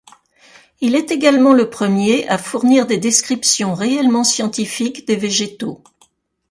Il est également le premier à fournir des descriptions réellement scientifiques des végétaux.